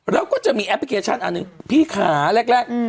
เราก็จะมีแอปพลิเคชันอันนึงพี่ค่าแรกแรกอืม